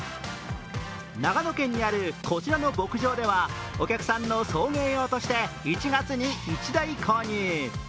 長野県にあるこちらの牧場ではお客さんの送迎用として１月に１台購入。